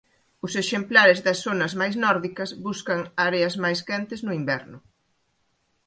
Os exemplares das zonas máis nórdicas buscan áreas máis quentes no inverno.